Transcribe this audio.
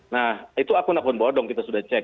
nah itu akun akun bodong kita sudah cek